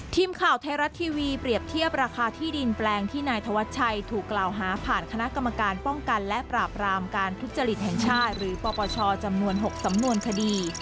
ทีมข่าวไทยรัฐทีวีเปรียบเทียบราคาที่ดินแปลงที่นายธวัชชัยถูกกล่าวหาผ่านคณะกรรมการป้องกันและปราบรามการทุจริตแห่งชาติหรือปปชจำนวน๖สำนวนคดี